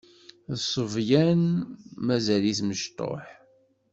D ṣṣebyan mazal-it mecṭuḥ.